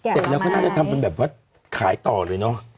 เสร็จแล้วก็น่าจะทำเป็นแบบว่าขายต่อเลยเนอะ